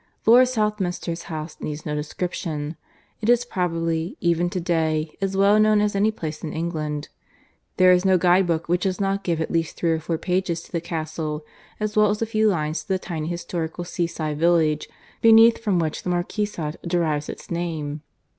... Lord Southminster's house needs no description. It is probably, even to day, as well known as any place in England: there is no guide book which does not give at least three or four pages to the castle, as well as a few lines to the tiny historical seaside village beneath from which the marquisate derives its name.